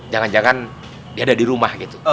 jangan jangan dia ada di rumah gitu